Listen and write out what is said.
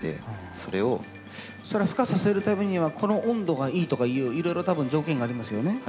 それふ化させるためにはこの温度がいいとかいういろいろ多分条件がありますよね？